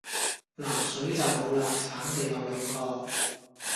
嗱水就無喇橙就有兩個